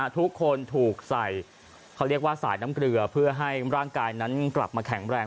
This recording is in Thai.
ทุกคนถูกใส่สายน้ำเกลือเพื่อให้ร่างกายกลับมาแข็งแรง